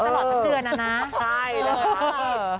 ก็มีตลอดตั้งเตือนนะครับ